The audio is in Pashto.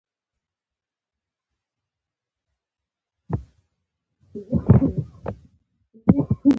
په شکل کې د برېښنا سرکټونو د وېش څرنګوالي ښودل شوي دي.